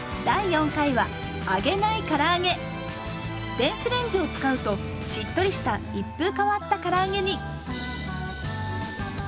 電子レンジを使うとしっとりした一風変わったから揚げに。